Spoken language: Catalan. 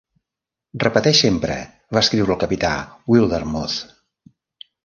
Repeteix, sempre, va escriure el capità Wildermuth.